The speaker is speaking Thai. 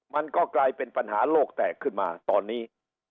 มันก็กลายเป็นปัญหาโลกแตกขึ้นมาตอนนี้